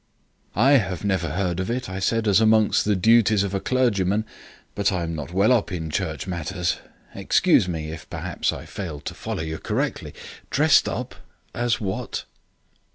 "I have never heard of it," I said, "as among the duties of a clergyman. But I am not well up in church matters. Excuse me if perhaps I failed to follow you correctly. Dressed up as what?"